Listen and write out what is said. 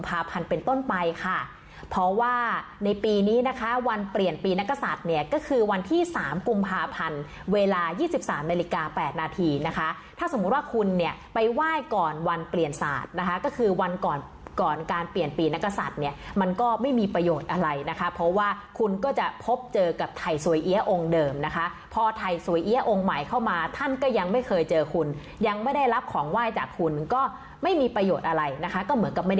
นาฬิกาแปดนาทีนะคะถ้าสมมุติว่าคุณเนี้ยไปไหว้ก่อนวันเปลี่ยนศาสตร์นะคะก็คือวันก่อนก่อนการเปลี่ยนปีนักศัตริย์เนี้ยมันก็ไม่มีประโยชน์อะไรนะคะเพราะว่าคุณก็จะพบเจอกับถ่ายสวยเอี๊ยดองค์เดิมนะคะพอถ่ายสวยเอี๊ยดองค์ใหม่เข้ามาท่านก็ยังไม่เคยเจอคุณยังไม่ได้รับของไหว้จากคุณก็ไม่มีประโ